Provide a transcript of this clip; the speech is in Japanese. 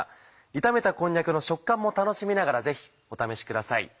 炒めたこんにゃくの食感も楽しみながらぜひお試しください。